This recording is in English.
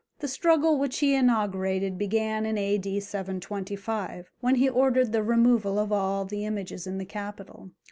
The struggle which he inaugurated began in A.D. 725, when he ordered the removal of all the images in the capital.